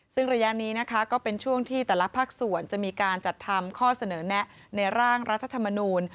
ซึ่งระยะนี้นะคะก็เป็นช่วงที่แต่ละภาคส่วนจะมีการจัดทำข้อเสนอแนะในร่างรัฐธรรมนูล